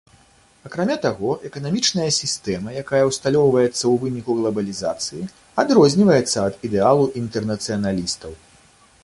Акрамя таго, эканамічная сістэма, якая ўсталёўваецца ў выніку глабалізацыі, адрозніваецца ад ідэалу інтэрнацыяналістаў.